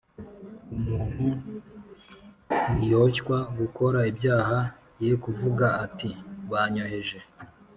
Umuntu niyoshywa gukora ibyaha yekuvuga ati “ Banyoheje”